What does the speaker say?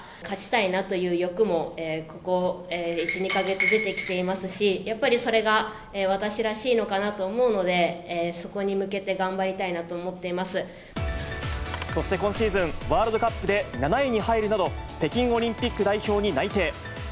勝ちたいなという欲も、ここ１、２か月、出てきていますし、やっぱりそれが私らしいのかなと思うので、そこに向けて頑張りたそして今シーズン、ワールドカップで７位に入るなど、北京オリンピック代表に内定。